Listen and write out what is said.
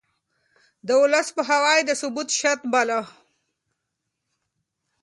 د ولس پوهاوی يې د ثبات شرط باله.